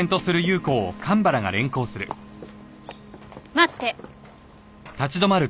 待って。